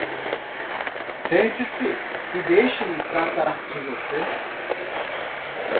Sente-se e deixe-me tratar de você.